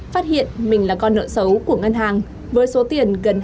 phát hiện mình là con nợ xấu của ngân hàng với số tiền gần hai mươi triệu đồng